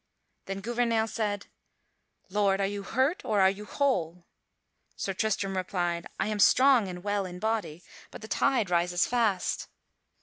Then Gouvernail said: "Lord, are you hurt, or are you whole?" Sir Tristram replied, "I am strong and well in body, but the tide rises fast."